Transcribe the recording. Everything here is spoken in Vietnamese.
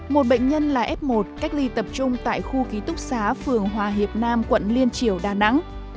một bệnh nhân là f một cách ly tập trung tại khu ký túc xá phường hòa hiệp nam quận liên triều đà nẵng